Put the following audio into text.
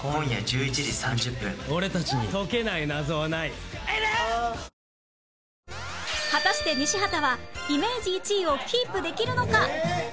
わかるぞ果たして西畑はイメージ１位をキープできるのか？